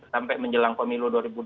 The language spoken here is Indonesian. sampai menjelang komilu